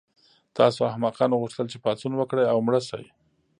تاسو احمقانو غوښتل چې پاڅون وکړئ او مړه شئ